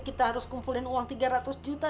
kita harus kumpulin uang tiga ratus juta